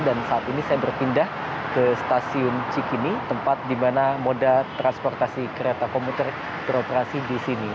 dan saat ini saya berpindah ke stasiun cikini tempat di mana moda transportasi kereta komuter beroperasi di sini